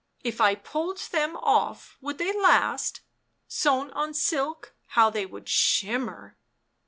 " If I pulled them off would they last ? Sewn on silk how they would shimmer